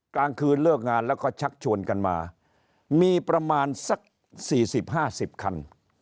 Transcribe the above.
กลางคืนเลิกงานแล้วก็ชักชวนกันมามีประมาณสัก๔๐๕๐คัน